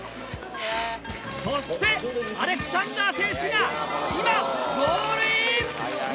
そしてアレクサンダー選手が今ゴールイン！